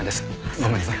ごめんなさい。